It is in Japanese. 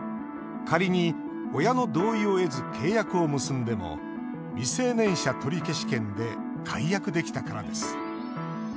仮に親の同意を得ず契約を結んでも未成年者取消権で解約できたからです。